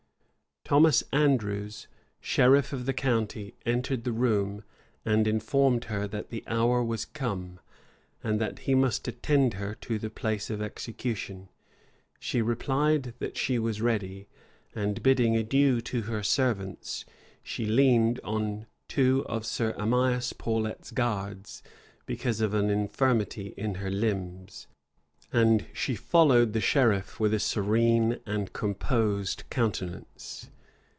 Thomas Andrews, sheriff of the county, entered the room, and informed her that the hour was come, and that he must attend her to the place of execution. She replied, that she was ready; and bidding adieu to her servants, she leaned on two of Sir Amias Paulet's guards, because of an infirmity in her limbs; and she followed the sheriff with a serene and composed countenance.